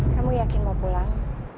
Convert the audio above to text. kamu yakin mau pulang